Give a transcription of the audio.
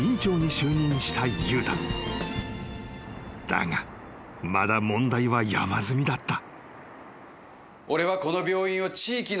［だがまだ問題は山積みだった］